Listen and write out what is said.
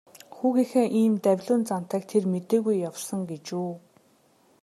Хүүгийнхээ ийм давилуун зантайг тэр мэдээгүй явсан гэж үү.